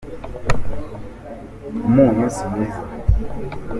umunyu simwiza.